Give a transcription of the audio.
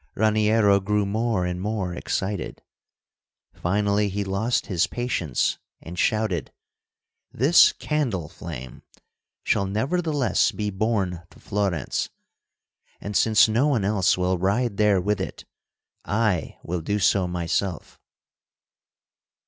Raniero grew more and more excited. Finally he lost his patience and shouted: "This candle flame shall nevertheless be borne to Florence; and since no one else will ride there with it, I will do so myself!"